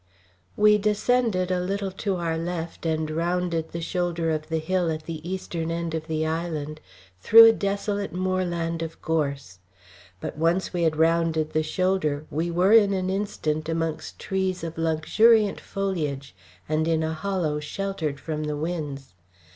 We descended a little to our left, and rounded the shoulder of the hill at the eastern end of the island, through a desolate moorland of gorse; but once we had rounded the shoulder, we were in an instant amongst trees of luxuriant foliage, and in a hollow sheltered from the winds.